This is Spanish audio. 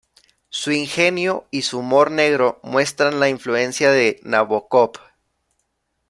Su ingenio y su humor negro muestran la influencia de Nabokov.